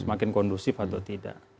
semakin kondusif atau tidak